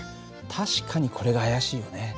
確かにこれが怪しいよね。